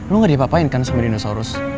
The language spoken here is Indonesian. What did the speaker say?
lu gak diapa apain kan sama dinosaurus